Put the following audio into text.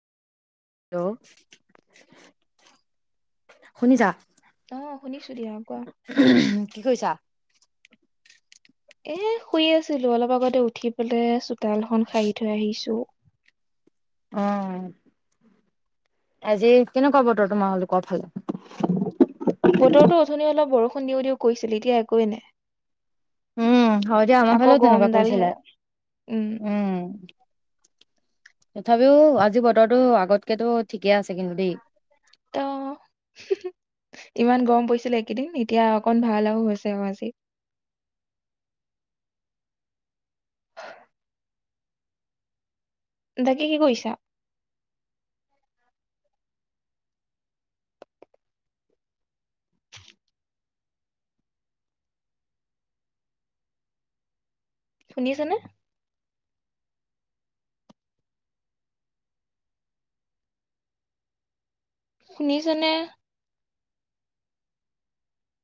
Hello শুনিছা? অ', শুনিছো দিয়া, কোৱা? কি কৰিছা? এ শুই আছিলো, অলপ আগতে উঠি পেলাই চোতালখন সাৰি থৈ আহিছো। অ', আজি কেনেকোঁৱা বতৰ, তোমালোকৰ ফালে? বতৰতো অথনি অলপ বৰষুণ দিওঁ, দিওঁ কৰিছিলে, এতিয়া একোৱেই নাই। উম, হয় দিয়া, আমাৰ আকৌ ফালেও তেনেকুৱা গৰমডালহে কৰিছিলে। উম। তথাপিও আজি বতৰটো আগতকেতো ঠিকে আছে কিন্তু দেই। ত' ইমান গৰম পৰিছিলে এইকেইদিন, এতিয়া অকন ভাল আৰু হৈছে আৰু আজি। বাকী কি কৰিছাঁ? শুনিছা আছা নে? শুনিছানে?